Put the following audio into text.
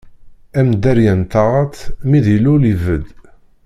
Am dderya n taɣaṭ, mi d-ilul, ibedd.